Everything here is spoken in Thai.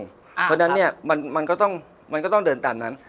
เพราะฉะนั้นเนี่ยมันก็ต้องเดินตามนั้น